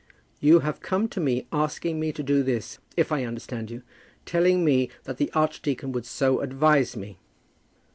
You have come to me asking me to do this, if I understand you, telling me that the archdeacon would so advise me."